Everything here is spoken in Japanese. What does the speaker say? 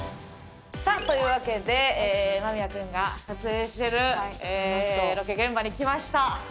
さあというわけで間宮くんが撮影してるロケ現場に来ました。